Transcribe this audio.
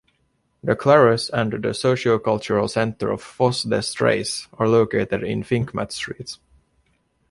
The Clarus and the socio-cultural center of Fossé des Treize are located in Finkmatt street.